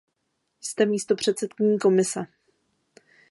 Jste místopředsedkyní Komise.